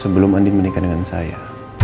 sebelum andin menikah dengan saya